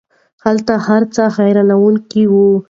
هلته هر څه حیرانوونکی وو.